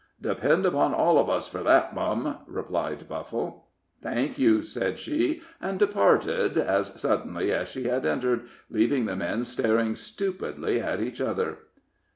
"Depend upon all of us for that, mum," replied Buffle. "Thank you," said she, and departed as suddenly as she had entered, leaving the men staring stupidly at each other.